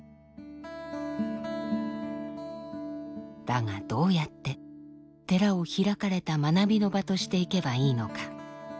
だがどうやって寺を開かれた学びの場としていけばいいのか？